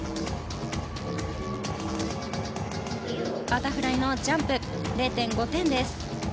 バタフライのジャンプ０．５点です。